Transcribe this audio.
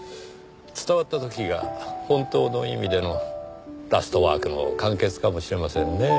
伝わった時が本当の意味での『ラストワーク』の完結かもしれませんねぇ。